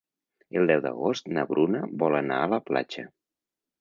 El deu d'agost na Bruna vol anar a la platja.